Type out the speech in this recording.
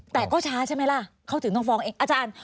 แต่ก็ช้าใช่ไหมล่ะเขาถึงต้องฟ้องเอง